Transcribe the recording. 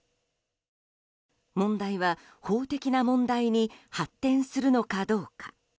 問題は法的な問題に発展するのかどうか。